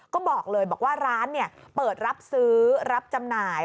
ก็บอกเลยบอกว่าร้านเปิดรับซื้อรับจำหน่าย